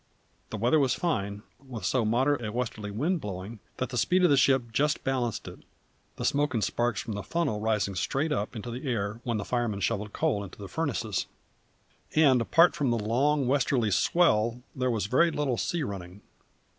The weather was fine, with so moderate a westerly wind blowing that the speed of the ship just balanced it, the smoke and sparks from the funnel rising straight up into the air when the firemen shovelled coal into the furnaces; and apart from the long westerly swell there was very little sea running.